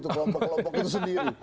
kelompok kelompok itu sendiri